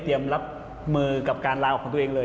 รับมือกับการลาออกของตัวเองเลย